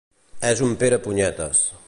És un pere punyetes